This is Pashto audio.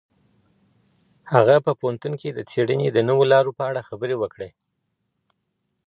هغه په پوهنتون کي د څيړني د نويو لارو په اړه خبري وکړي.